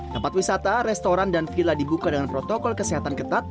tempat wisata restoran dan villa dibuka dengan protokol kesehatan ketat